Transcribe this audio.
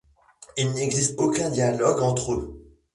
Il n'existe aucun dialogue entre eux.